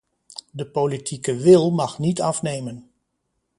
De politieke wil mag niet afnemen.